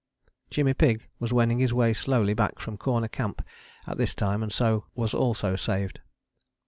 Jimmy Pigg was wending his way slowly back from Corner Camp at this time and so was also saved.